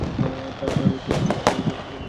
তাই এদের উচ্চতা পরিমাপ করা যায় না ঠিকভাবে।